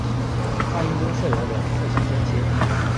放映中设有两次小间歇。